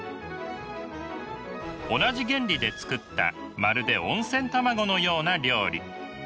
同じ原理で作ったまるで温泉卵のような料理。